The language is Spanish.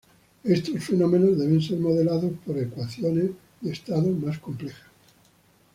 Estos fenómenos deben ser modelados por ecuaciones de estado más complejas.